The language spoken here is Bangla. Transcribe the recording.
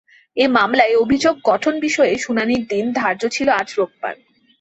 এ মামলায় অভিযোগ গঠন বিষয়ে শুনানির দিন ধার্য ছিল আজ রোববার।